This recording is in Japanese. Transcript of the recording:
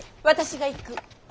私が行く。